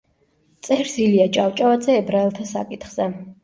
წერს ილია ჭავჭავაძე „ებრაელთა საკითხზე“.